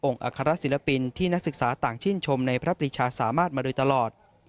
อัครศิลปินที่นักศึกษาต่างชื่นชมในพระปริชาสามารถมาโดยตลอด